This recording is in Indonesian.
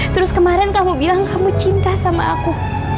terus kemarin kamu bilang kamu cinta sama aku